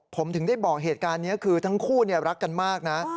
ผมถึงได้บอกเหตุการณ์นี้คือทั้งคู่รักกันมากนะ